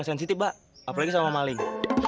sensitif mbak apalagi sama maling